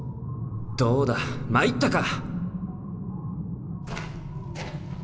どうだ参ったか！